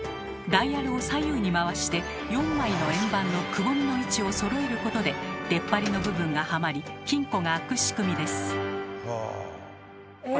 ダイヤルを左右に回して４枚の円盤のくぼみの位置をそろえることで出っ張りの部分がはまり金庫が開く仕組みです。